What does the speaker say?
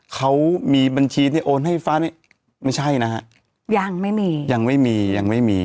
เขามีบัญชีที่โอนให้ฟ้านี่ไม่ใช่นะฮะยังไม่มียังไม่มียังไม่มี